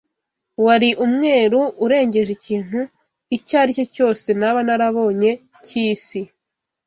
Wari umweru urengeje ikintu icyo aricyo cyose naba narabonye cy’ isi